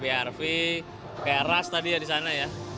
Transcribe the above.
brv kayak ras tadi ya di sana ya